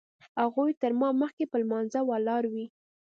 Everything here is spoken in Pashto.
هغوی تر ما مخکې په لمانځه ولاړ وي.